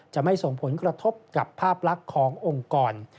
จะไม่ส่งผลกระทบกับภาพลักษณ์ขององค์กร